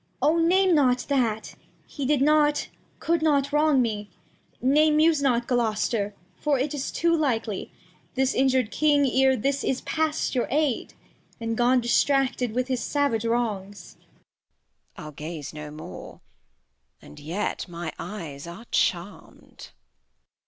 Cord. O name not that ; he did not, cou'd not wrong me. Nay, muse not, Gloster, for it is too hkely This injur'd King e'er this, is past your Aid, And gone Distracted with his savage Wrongs. Bast. I'll gaze no more, — and yet my Eyes are charm'd. Cord.